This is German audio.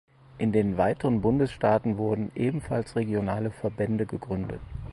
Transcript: In den weiteren Bundesstaaten wurden ebenfalls regionale Verbände gegründet.